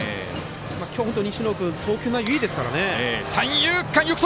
今日の西野君投球内容いいですからね。